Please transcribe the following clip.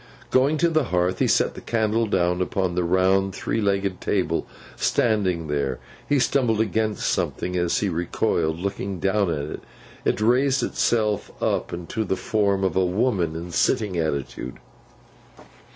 Going to the hearth to set the candle down upon a round three legged table standing there, he stumbled against something. As he recoiled, looking down at it, it raised itself up into the form of a woman in a sitting attitude.